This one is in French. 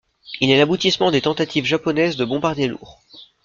Il est l'aboutissement des tentatives japonaises de bombardiers lourds.